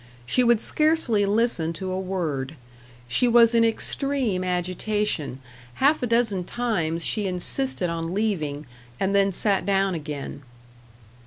She would scarcely listen to a word. She was in extreme agitation; half a dozen times she insisted on leaving, and then sat down again.